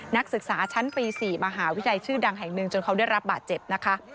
นักศึกษาชั้นปี๔มหาวิทยาลัยชื่อดังแห่งหนึ่งจนเขาได้รับบาดเจ็บนะคะ